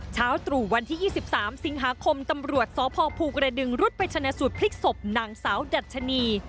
เช้าตรู่วันที่๒๓สิงหาคมตำรวจสพภูกระดึงรุดไปชนะสูตรพลิกศพนางสาวดัชนี